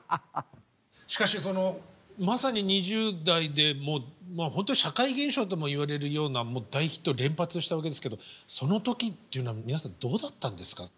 しかしそのまさに２０代で本当に社会現象ともいわれるような大ヒットを連発したわけですけどその時っていうのは皆さんどうだったんですか？